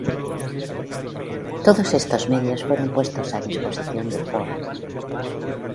Todos estos medios fueron puestos a disposición de Ford.